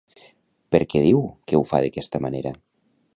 Per què diu que ho fa d'aquesta manera?